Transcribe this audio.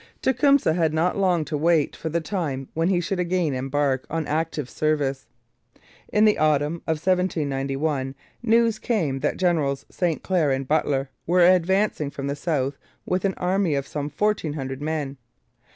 Tecumseh had not long to wait for the time when he should again embark on active service. In the autumn of 1791 news came that Generals St Clair and Butler were advancing from the south with an army of some fourteen hundred men.